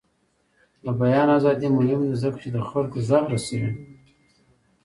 د بیان ازادي مهمه ده ځکه چې د خلکو غږ رسوي.